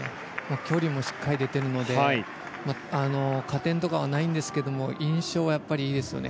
距離もしっかり出ているので加点とかはないんですけども印象はいいですよね。